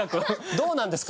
どうなんですか？